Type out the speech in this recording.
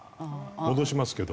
戻しますけど。